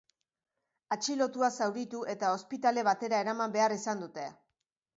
Atxilotua zauritu eta ospitale batera eraman behar izan dute.